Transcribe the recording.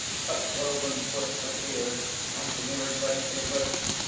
(_A cloven foot appears. Anthony regrets his wish.